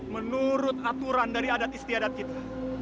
menurut aturan dari adat istiadat kita